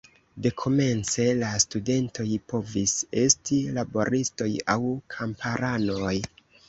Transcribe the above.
Dekomence la studentoj povis esti laboristoj aŭ kamparanoj.